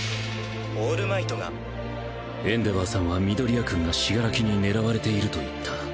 エンデヴァーさんは緑谷くんが死柄木に狙われていると言った。